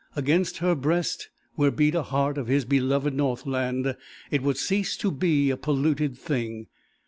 Against her breast, where beat a heart of his beloved Northland, it would cease to be a polluted thing.